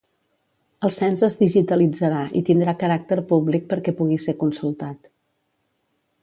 El cens es digitalitzarà i tindrà caràcter públic perquè pugui ser consultat.